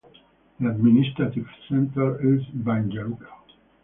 The administrative centre is Banja Luka.